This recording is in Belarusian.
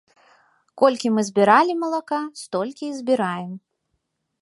Колькі мы збіралі малака, столькі і збіраем.